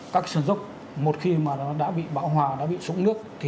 các sơn dốc một khi mà nó đã bị bão hòa đã bị sụn nước